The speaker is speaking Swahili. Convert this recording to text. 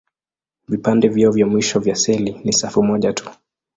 Vipande vyao vya mwisho vya seli ni safu moja tu.